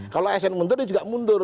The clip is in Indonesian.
kalau asn mundur dia juga mundur